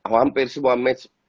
hampir semua match